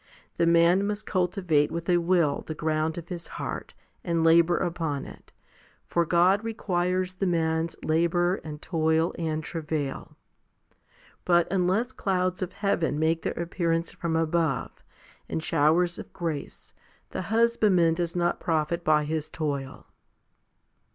The man must cultivate with a will the ground of his heart, and labour upon it for God requires the man's labour and toil and travail. But unless clouds of heaven make their appear ance from above, and showers of grace, the husbandman does not profit by his toil.